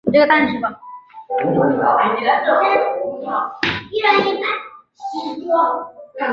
鉴于各会员国业已誓愿同联合国合作以促进对人权和基本自由的普遍尊重和遵行